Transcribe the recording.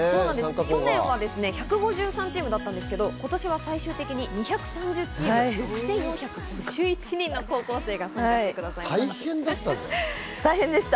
去年は１５３チームだったんですけれども今年は最終的に２３０チーム、６４５１人の高校生の皆さんが参加してくださいました。